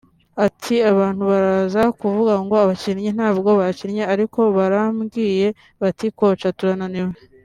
Ati “Abantu baraza kuvuga ngo abakinnyi ntabwo bakinnye ariko barambwiye bati ‘coach turananiwe